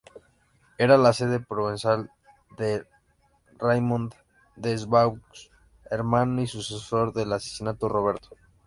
Era la sede provenzal de Raymond des Baux, hermano y sucesor del asesinado Roberto.